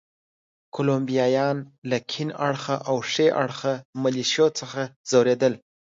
کولمبیایان له کیڼ اړخه او ښي اړخه ملېشو څخه ځورېدل.